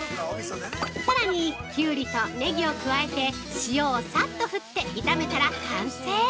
◆さらに、きゅうりとネギを加えて、塩をさっと振って炒めたら完成！